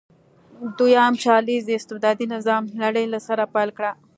دویم چارلېز د استبدادي نظام لړۍ له سره پیل کړه.